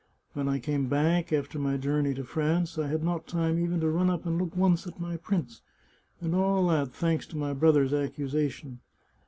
When I came back, after my journey to France, I had not time even to run up and look once at my prints ; and all that thanks to my brother's accusation."